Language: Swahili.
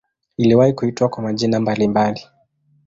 Iliwahi kuitwa kwa majina mbalimbali.